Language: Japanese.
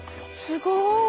すごい。